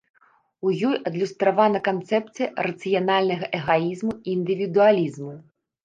У ёй адлюстравана канцэпцыя рацыянальнага эгаізму і індывідуалізму.